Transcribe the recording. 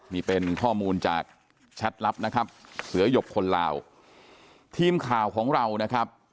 นี่เป็นข้อมูลจากแชทลับนะครับเสือหยกคนลาวทีมข่าวของเรานะครับ